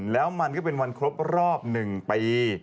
แล้วมันก็เป็นวันครบรอบหนึ่งไป